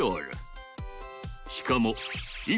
しかも１